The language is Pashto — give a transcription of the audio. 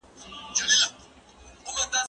زه اوږده وخت کتابتون ته راځم وم؟